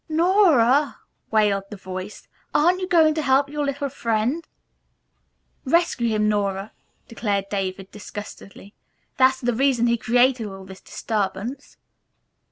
"No r a," wailed the voice, "aren't you going to help your little friend!" "Rescue him, Nora," declared David disgustedly. "That's the reason he created all this disturbance."